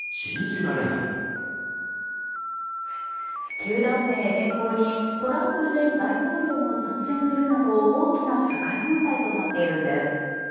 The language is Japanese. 球団名変更にトランプ前大統領も参戦するなど、大きな社会問題となっているんです。